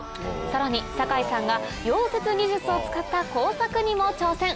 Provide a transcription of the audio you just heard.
さらに酒井さんが溶接技術を使った工作にも挑戦。